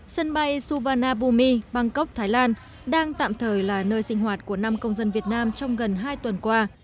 sân bay suvarnabhumi bangkok thái lan đang tạm thời là nơi sinh hoạt của năm công dân việt nam trong gần hai tuần qua